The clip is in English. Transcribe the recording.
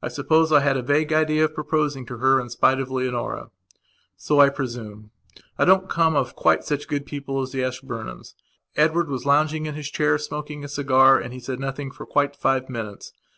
I suppose I had a vague idea of proposing to her in spite of Leonora. So, I presume, I don't come of quite such good people as the Ashburnhams. Edward was lounging in his chair smoking a cigar and he said nothing for quite five minutes.